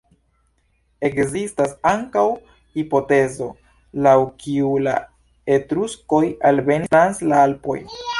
Ekzistas ankaŭ hipotezo, laŭ kiu la etruskoj alvenis trans la Alpoj.